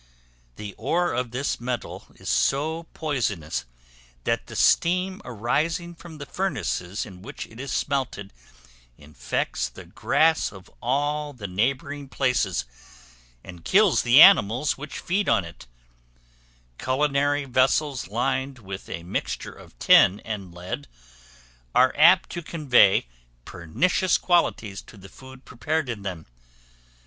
The ore of this metal is so poisonous, that the steam arising from the furnaces in which it is smelted infects the grass of all the neighboring places, and kills the animals which feed on it: culinary vessels lined with a mixture of tin and lead, are apt to convey pernicious qualities to the food prepared in them.